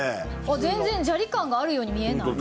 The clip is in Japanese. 全然ジャリ感があるように見えない。